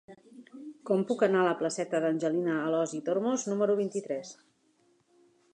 Com puc anar a la placeta d'Angelina Alòs i Tormos número vint-i-tres?